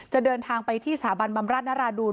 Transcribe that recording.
เดินทางไปที่สถาบันบำราชนราดูล